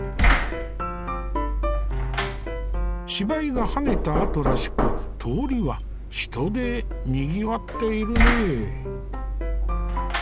芝居がはねたあとらしく通りは人でにぎわっているね。